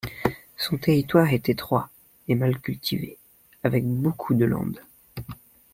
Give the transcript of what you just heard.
Son territoire est étroit et mal cultivé, avec beaucoup de landes.